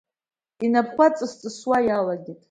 Инапқәа ҵыс-ҵысуа иалагеит.